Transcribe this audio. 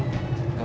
kamu gak usah